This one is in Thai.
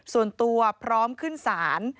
ส่วนตัวพร้อมขึ้นศาล